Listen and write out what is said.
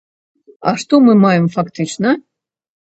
А што мы маем фактычна?